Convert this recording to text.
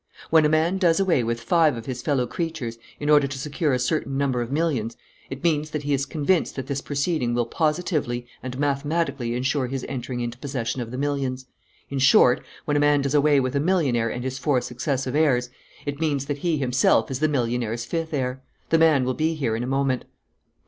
"When a man does away with five of his fellow creatures in order to secure a certain number of millions, it means that he is convinced that this proceeding will positively and mathematically insure his entering into possession of the millions. In short, when a man does away with a millionaire and his four successive heirs, it means that he himself is the millionaire's fifth heir. The man will be here in a moment."